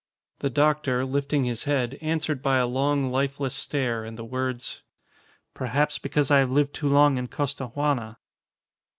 The doctor, lifting his head, answered by a long, lifeless stare and the words, "Perhaps because I have lived too long in Costaguana."